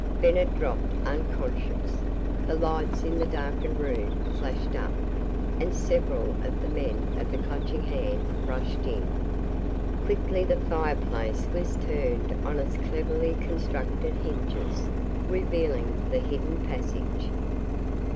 Bennett dropped unconscious, the lights in the darkened room flashed up, and several of the men of the Clutching Hand rushed in. Quickly the fireplace was turned on its cleverly constructed hinges, revealing the hidden passage.